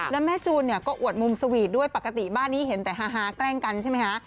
แล้วแม่จูนเนี่ยก็อวดมุมสวีทด้วยปกติบ้านนี้เห็นแต่ฮาแกล้งกันใช่ไหมคะ